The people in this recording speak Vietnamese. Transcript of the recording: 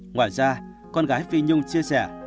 ngoài ra con gái phi nhung chia sẻ